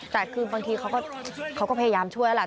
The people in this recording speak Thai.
แต่คือบางทีเขาก็พยายามช่วยแล้วล่ะ